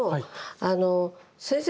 あの先生